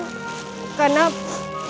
karena bahannya udah pasang